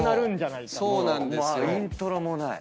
イントロもない。